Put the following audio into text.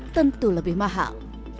tentu lebih mahal